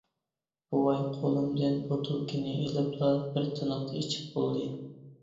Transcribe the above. بوۋاي قولۇمدىن بوتۇلكىنى ئىلىپلا بىر تىنىقتا ئىچىپ بولدى.